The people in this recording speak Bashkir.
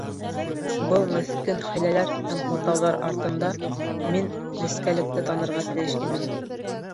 Был меҫкен хәйләләр һәм һылтауҙар артында мин нескәлекте танырға тейеш инем.